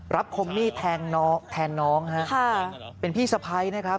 คมมีดแทงน้องแทนน้องฮะค่ะเป็นพี่สะพ้ายนะครับ